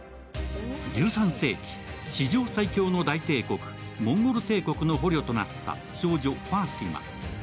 １３世紀、史上最強の大帝国モンゴル帝国の捕虜となった少女・ファーティマ。